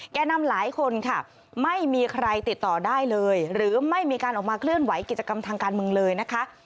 แก่นำหลายคนค่ะไม่มีใครติดต่อได้เลยหรือไม่มีการออกมาเคลื่อนไหวกิจกรรมทางการเมืองเลยนะคะ